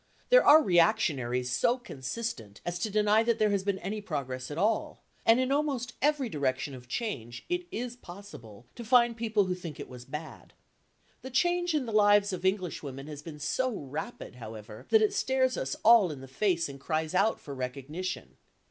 There are reactionaries so consistent as to deny that there has been any progress at all, and in almost every direction of change it is possible to find people who think it was bad. The change in the lives of Englishwomen has been so rapid, however, that it stares us all in the face and cries out for recognition.